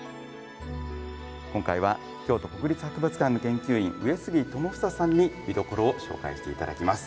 今回は、京都国立博物館の研究員上杉智英さんに見どころを紹介していただきます。